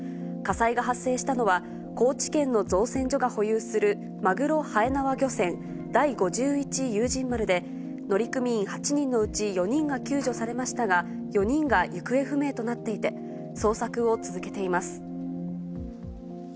火災が発生したのは、高知県の造船所が保有するマグロはえなわ漁船、第５１勇仁丸で、乗組員８人のうち４人が救助されましたが、４人が行方不明となっていて、捜索を続けています。